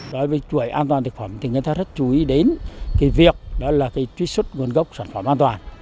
đối với chuỗi an toàn thực phẩm thì người ta rất chú ý đến cái việc đó là cái truy xuất nguồn gốc sản phẩm an toàn